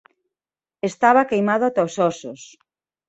Estaba queimado ata os ósos.